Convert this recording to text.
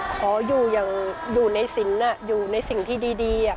ขออยู่อย่างอยู่ในศิลป์อยู่ในสิ่งที่ดี